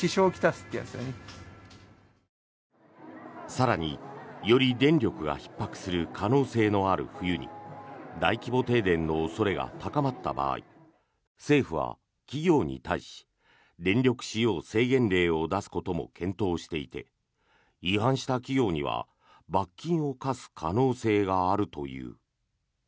更に、より電力がひっ迫する可能性のある冬に大規模停電の恐れが高まった場合政府は企業に対し電力使用制限令を出すことも検討していて違反した企業には罰金を科す可能性があるという。